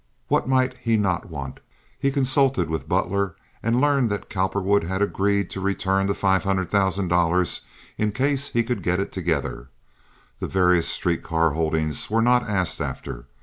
What might he not want? He consulted with Butler and learned that Cowperwood had agreed to return the five hundred thousand in case he could get it together. The various street car holdings were not asked after.